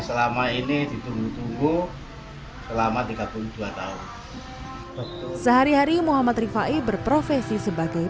selama ini ditunggu tunggu selama tiga puluh dua tahun sehari hari muhammad rifai berprofesi sebagai